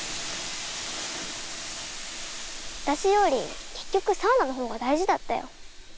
私より結局サウナのほうが大事だったよ。